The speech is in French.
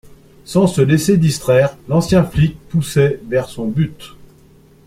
Sans se laisser distraire, l’ancien flic poussait vers son but